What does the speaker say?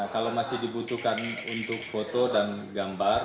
kalau masih dibutuhkan untuk foto dan gambar